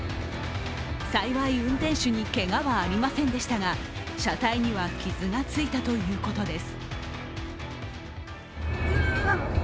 幸い運転手にけがはありませんでしたが、車体には傷がついたということです。